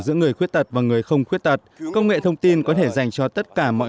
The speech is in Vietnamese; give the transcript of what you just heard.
giữa người khuyết tật và người không khuyết tật công nghệ thông tin có thể dành cho tất cả mọi